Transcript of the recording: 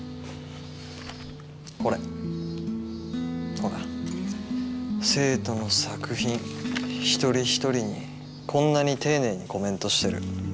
ほら生徒の作品一人一人にこんなに丁寧にコメントしてる。